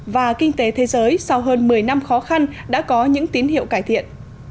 và kinh tế thế giới sau hơn một mươi năm khó khăn đã có những tín hiệu cải thiện